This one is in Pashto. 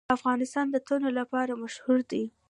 افغانستان د تنوع لپاره مشهور دی.